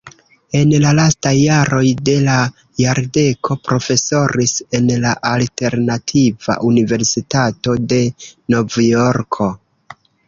En la lastaj jaroj de la jardeko profesoris en la Alternativa Universitato de Novjorko.